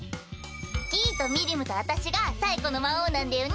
ギィとミリムと私が最古の魔王なんだよね！